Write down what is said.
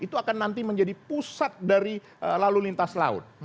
itu akan nanti menjadi pusat dari lalu lintas laut